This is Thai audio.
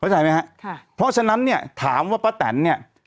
ใช่ไหมฮะค่ะเพราะฉะนั้นเนี่ยถามว่าป้าแตนเนี่ย